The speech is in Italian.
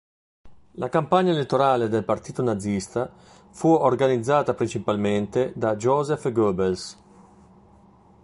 La campagna elettorale del Partito Nazista fu organizzata principalmente da Joseph Goebbels.